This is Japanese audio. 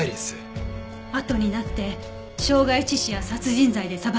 あとになって傷害致死や殺人罪で裁かれる事はない。